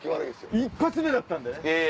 １発目だったんでね